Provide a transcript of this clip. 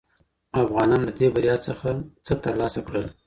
افغانانو ددې بریا څخه څه ترلاسه کړل؟